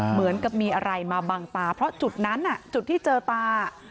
เหมือนกับมีอะไรมาบังตาเพราะจุดนั้นจุดที่เจอตา